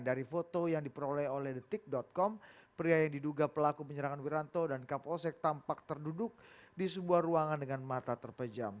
dari foto yang diperoleh oleh detik com pria yang diduga pelaku penyerangan wiranto dan kapolsek tampak terduduk di sebuah ruangan dengan mata terpejam